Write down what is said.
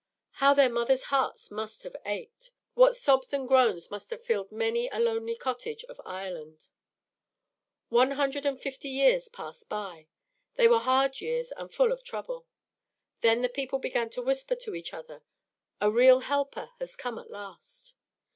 How their mothers' hearts must have ached! What sobs and groans must have filled many a lonely cottage of Ireland! One hundred and fifty years passed by. They were hard years, and full of trouble. Then the people began to whisper to each other, "A real helper has come at last."